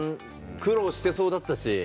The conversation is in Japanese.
苦労してそうだったし。